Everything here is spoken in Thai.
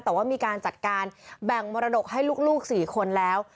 แต่ว่ามีการจัดการแบ่งมรดกให้ลูก๔คนแล้ว